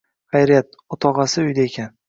Xayriyat, o‘tog‘asi uyda ekan